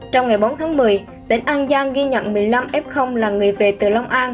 trong ngày bốn tháng một mươi tỉnh an giang ghi nhận một mươi năm f là người về từ long an